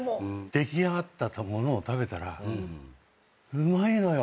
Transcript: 出来上がった物を食べたらうまいのよ。